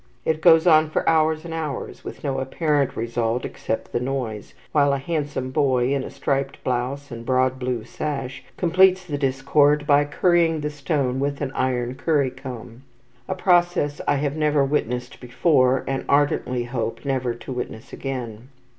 It goes on for hours and hours, with no apparent result except the noise; while a handsome boy, in a striped blouse and broad blue sash, completes the discord by currying the stone with an iron currycomb, a process I have never witnessed before, and ardently hope never to witness again.